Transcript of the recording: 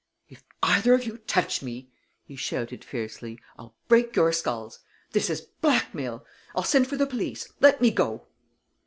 "If either of you touch me," he shouted fiercely, "I'll break your skulls! This is blackmail! I'll send for the police! Let me go!"